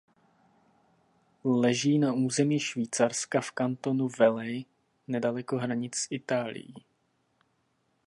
Leží na území Švýcarska v kantonu Valais nedaleko hranic s Itálií.